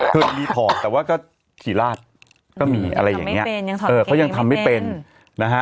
เคยมีถอดแต่ว่าก็ขี่ลาดก็มีอะไรอย่างเงี้ยเออเขายังทำไม่เป็นนะฮะ